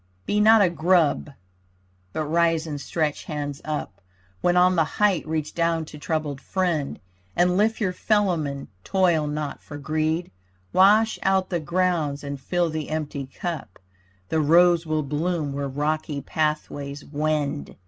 Be not a grub but rise and stretch hands up When on the height reach down to troubled friend, And lift your fellowmen, toil not for greed. Wash out the grounds and fill the empty cup. The rose will bloom where rocky pathways wend.